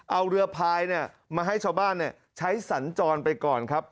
เอาเรือพลายเนี่ยมาให้ชาวบ้านเนี่ยใช้สรรจรไปก่อนครับ